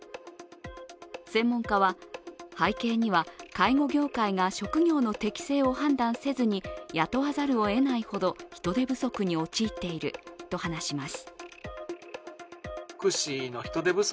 専門家は、背景には介護業界が職業の適性を判断せずに雇わざるを得ないほど人手不足に陥っていると話します。